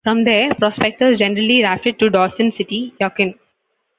From there, prospectors generally rafted to Dawson City, Yukon.